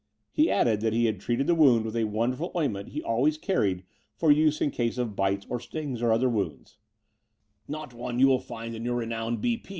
He added that he had treated the wound with a wonderful ointment he always carried for use in case of bites or stings or other wounds — *not one you will find in your renowned B. P.